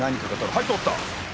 はい通った。